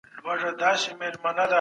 هيڅوک هم د هغې د تصرف مخه نسي نيولای.